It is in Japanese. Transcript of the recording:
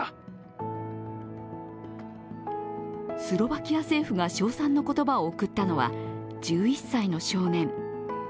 スロバキア政府が賞賛の言葉を贈ったのは１１歳の少年。